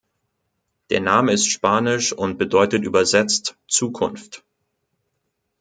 Der Name ist spanisch und bedeutet übersetzt „Zukunft“.